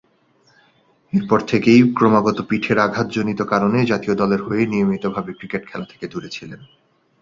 এরপর থেকেই ক্রমাগত পিঠের আঘাতজনিত কারণে জাতীয় দলের হয়ে নিয়মিতভাবে ক্রিকেট খেলা থেকে দূরে ছিলেন।